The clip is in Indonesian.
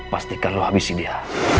pastikan lo habisi dia